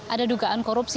ada dugaan korupsi